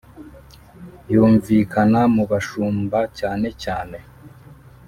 yumvikana mu bashumba cyane cyane